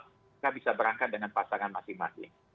kita bisa berangkat dengan pasangan masing masing